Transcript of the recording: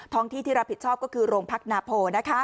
ห้องที่ที่รับผิดชอบก็คือโรงพักนาโพ